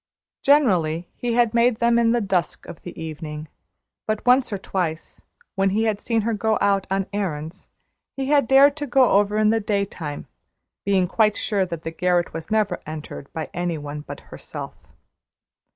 Generally he had made them in the dusk of the evening; but once or twice, when he had seen her go out on errands, he had dared to go over in the daytime, being quite sure that the garret was never entered by any one but herself.